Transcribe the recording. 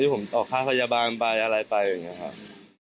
ผมต่อค่าพยาบาลไปอะไรไปอย่างนี้ครับ